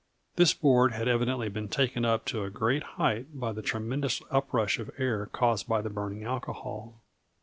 This board had evidently been taken up to a great height by the tremendous uprush of air caused by the burning alcohol."